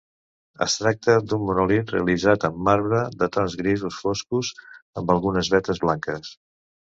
Es tracta d'un monòlit realitzat en marbre de tons grisos foscos amb algunes vetes blanques.